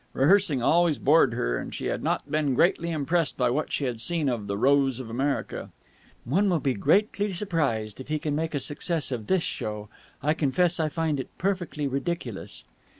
Rehearsing always bored her, and she had not been greatly impressed by what she had seen of "The Rose of America." "One will be greatly surprised if he can make a success of this show! I confess I find it perfectly ridiculous."